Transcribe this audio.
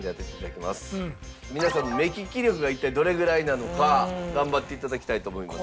皆さんの目利き力が一体どれぐらいなのか頑張っていただきたいと思います。